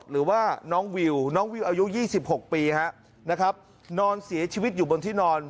หรือว่าน้องวิวน้องวิวอายุ๒๖ปีนะครับนอนเสียชีวิตอยู่บนที่นอน